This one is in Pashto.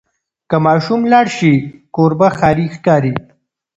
که ماشوم لاړ شي، کور به خالي ښکاري.